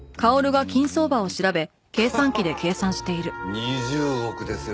２０億ですよ